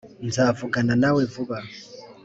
nzavugana nawe vuba.